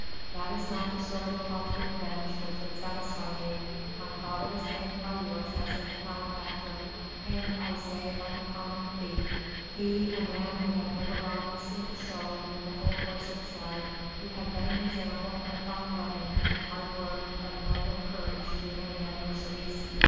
That is not the sort of paltry revenge which would satisfy me. My father was hanged by yours as a malefactor hanged, I say, like a common thief! he, a man who had never wronged a single soul in the whole course of his life, who had been an example of fine living, of hard work, of noble courage through many adversities.